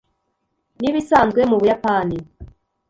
Nibisanzwe mu Buyapani.